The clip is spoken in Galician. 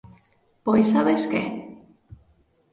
Pois sabes que?